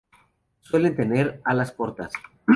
Suelen tener alas cortas.